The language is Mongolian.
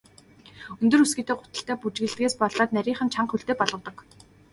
Өндөр өсгийтэй гуталтай бүжиглэдгээс болоод нарийхан, чанга хөлтэй болгодог.